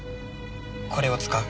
これを使う。